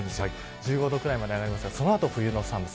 １５度くらいまで上がりますがその後、冬の寒さ。